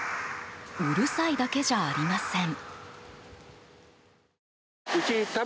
うるさいだけじゃありません。